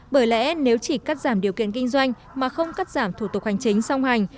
bởi lẽ nếu chỉ cắt giảm điều kiện kinh doanh mà không cắt giảm thủ tục hành chính song hành